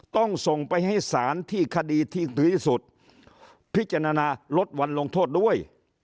ต้องส่งไปให้ศาลที่คดีที่ถึงที่สุดพิจารณาลดวันลงโทษด้วย